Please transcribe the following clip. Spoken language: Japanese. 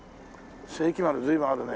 世紀丸随分あるね。